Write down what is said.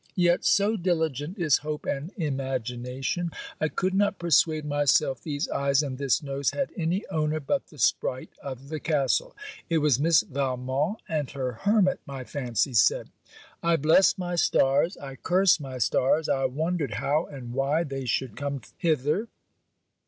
Yet, so diligent is hope and imagination, I could not persuade myself these eyes and this nose had any owner but the spright of the castle. It was Miss Valmont and her hermit, my fancy said. I blessed my stars. I cursed my stars. I wondered how and why they should come hither.